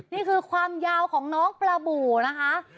นี่คือความยาวของน้องปลาบู่นะคะ